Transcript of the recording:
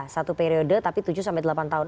satu periode tapi tujuh sampai delapan tahun